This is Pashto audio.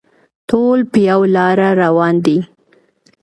ټول په یوه لاره روان دي.